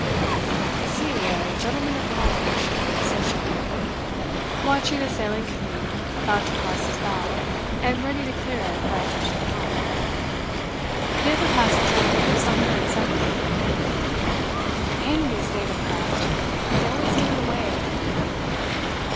"I see a gentleman at large," said Schomberg, watching a sailing canoe about to cross his bow, and ready to clear it by a touch of the helm. The other passenger made himself heard suddenly. "Hang these native craft! They always get in the way."